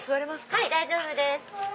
はい大丈夫です。